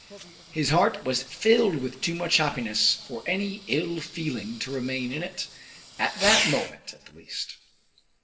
His heart was filled with too much happiness for any ill feeling to remain in it, at that moment at least.